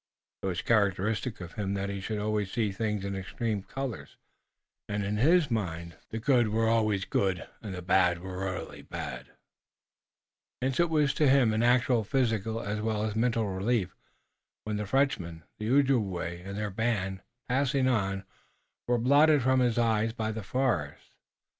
It was characteristic of him that he should always see everything in extreme colors, and in his mind the good were always very good and the bad were very bad. Hence it was to him an actual physical as well as mental relief, when the Frenchman, the Ojibway and their band, passing on, were blotted from his eyes by the forest.